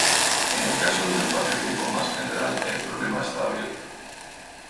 En caso de un espacio-tiempo más general, el problema está abierto.